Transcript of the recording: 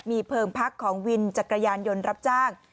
มีเพลิงพักของวินจักรยานยนต์รับจ้าง